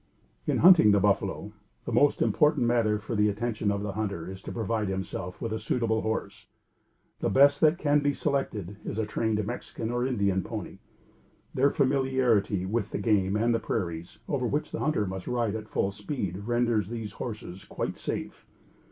In hunting buffalo the most important matter for the attention of the hunter is to provide himself with a suitable horse. The best that can be selected is a trained Mexican or Indian pony. Their familiarity with the game and the prairies, over which the hunter must ride at full speed, renders these horses quite safe.